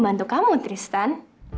bantu kamu tristan